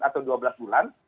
atau dua belas bulan